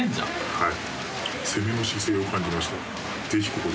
はい。